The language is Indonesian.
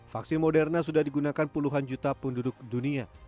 vaksin moderna sudah digunakan puluhan juta penduduk dunia